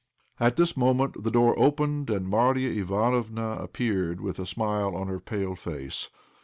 At this moment the door opened, and Marya Ivánofna appeared, with a smile on her pale face.